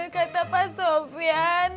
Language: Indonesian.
kata pak sofian